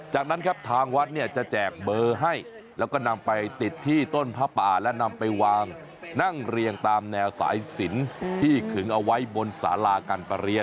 จากนั้นครับทางวัดเนี่ยจะแจกเบอร์ให้แล้วก็นำไปติดที่ต้นผ้าป่าและนำไปวางนั่งเรียงตามแนวสายสินที่ขึงเอาไว้บนสารากันประเรียน